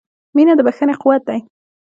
• مینه د بښنې قوت دی.